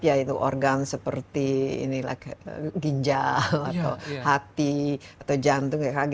yaitu organ seperti ginjal atau hati atau jantung